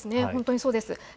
本当にそうです。